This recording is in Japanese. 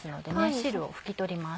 汁を拭き取ります。